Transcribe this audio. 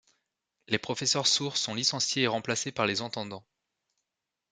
Les professeurs sourds sont licenciés et remplacés par les entendants.